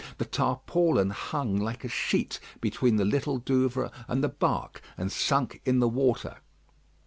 The tarpaulin hung like a sheet between the Little Douvre and the bark, and sunk in the water.